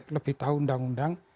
lebih tahu undang undang